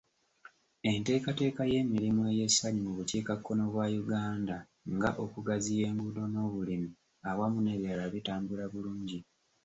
Enteekateeka y'emirimu ey'essanyu mu bukiikakkono bwa Uganda nga okugaziya enguudo n'obulimi awamu n'ebirala, bitambula bulungi.